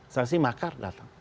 saksi makar datang